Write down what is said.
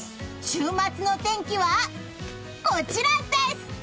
週末の天気は、こちらです！